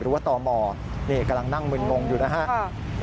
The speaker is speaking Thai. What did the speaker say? หรือว่าตอหมอกำลังนั่งมืนงงอยู่นะครับ